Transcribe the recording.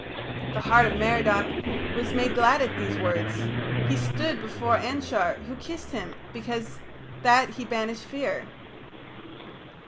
The heart of Merodach was made glad at these words. He stood before Anshar, who kissed him, because that he banished fear.